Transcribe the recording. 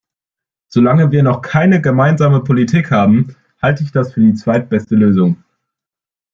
Solange wir noch keine gemeinsame Politik haben, halte ich das für die zweitbeste Lösung.